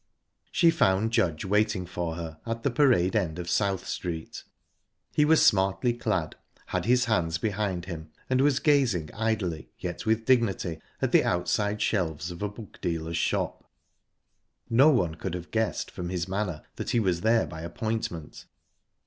She found Judge waiting for her at the Parade end of South Street. He was smartly clad, had his hands behind him, and was gazing idly, yet with dignity, at the outside shelves of a book dealer's shop. No one could have guessed from his manner that he was there by appointment.